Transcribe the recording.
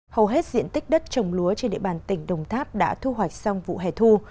hầu hết diện tích đất trồng lúa trên địa bàn tỉnh đồng tháp đã thu hoạch xong vụ hẻ thu